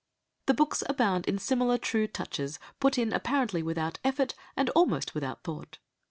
The books abound in similar true touches, put in apparently without effort, and almost without thought.